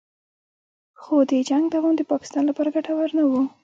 خو د جنګ دوام د پاکستان لپاره ګټور نه و